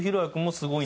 すごい。